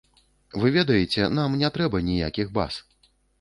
Вы ведаеце, нам не трэба ніякіх баз.